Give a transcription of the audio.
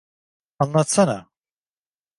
Anlatsana.